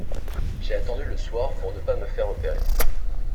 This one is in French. J’ai attendu le soir, pour ne pas me faire repérer.